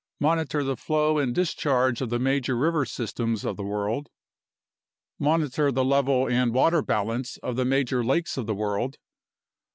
Monitor the flow and discharge of the major river systems of the world. Monitor the level and water balance of the major lakes of the world.